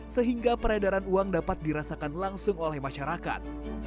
sehingga peredaran uang dapat dirasakan langsung oleh masyarakat